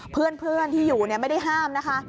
เพื่อนที่อยู่ไม่ได้ห้ามนะคะ